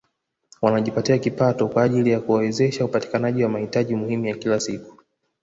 Wanajipatia kipato kwa ajili ya kuwezesha upatikanaji wa mahitaji muhimu ya kila siku